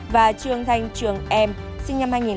và trương thanh trường em sinh năm hai nghìn